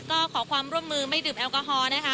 ก็ขอความร่วมมือไม่ดื่มแอลกอฮอล์นะคะ